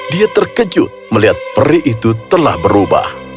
dia terkejut melihat peri itu telah berubah